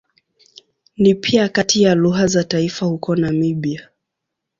Ni pia kati ya lugha za taifa huko Namibia.